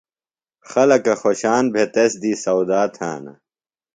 خلکہ خوۡشان بھےۡ تس دی سودا تھانہ۔